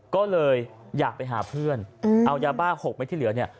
ก็เลยอยากไปหาเพื่อนเอายาบ้า๖เม็ดที่เหลือเนี่ย